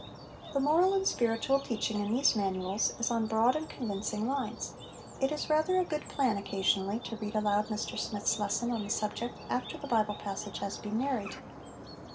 The moral and spiritual teaching in these manuals is on broad and convincing lines. It is rather a good plan occasionally to read aloud Mr Smyth's lesson on the subject after the Bible passage has been narrated.